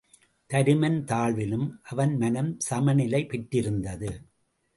தருமன் தாழ்விலும் அவன் மனம் சமநிலை பெற்றிருந்தது.